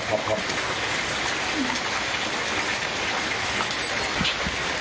พร้อมทุกสิทธิ์